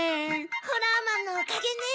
ホラーマンのおかげね！